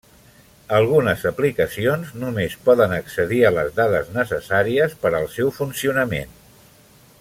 Algunes aplicacions només poden accedir a les dades necessàries per al seu funcionament.